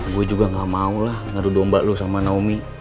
gue juga gak mau lah ngedudomba lo sama naomi